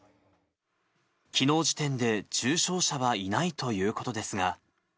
きのう時点で重症者はいないということですが。